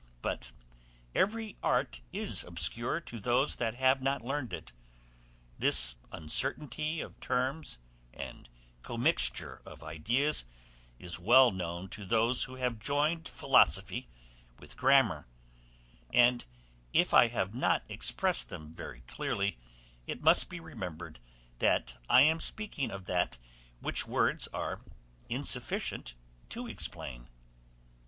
But every art is obscure to those that have not learned it; this uncertainty of terms, and commixture of ideas, is well known to those who have joined philosophy with grammar; and if I have not expressed them very clearly, it must be remembered that I am speaking of that which words are insufficient to explain.